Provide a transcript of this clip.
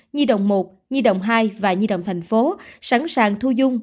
nhi đồng một nhi đồng hai và nhi đồng thành phố sẵn sàng thu dung